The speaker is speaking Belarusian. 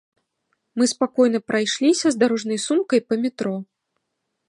Мы спакойна прайшліся з дарожнай сумкай па метро.